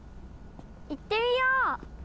いってみよう！